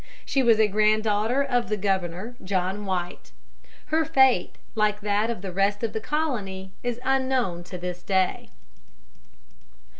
She was a grand daughter of the Governor, John White. Her fate, like that of the rest of the colony, is unknown to this day.